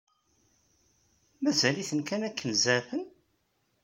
Mazal-iten kan akken zeɛfen?